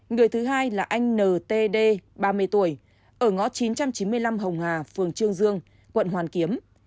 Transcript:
người thứ hai là anh ntd ba mươi tuổi ở ngõ chín trăm chín mươi năm hồng hà phường trương dương quận hoàn kiếm